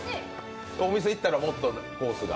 お店、行ったら、もっとコースが？